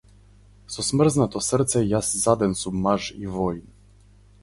Со смрзнато срце јас заден сум маж и воин.